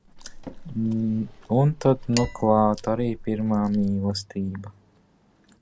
Un tad nu klāt arī pirmā mīlestība.